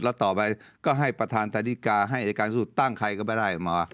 และต่อไปก็ให้ประธานตัดิกาให้อัศวินสูตรตั้งใครก็ได้แล้วมา